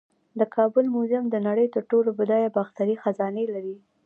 د کابل میوزیم د نړۍ تر ټولو بډایه باختري خزانې لري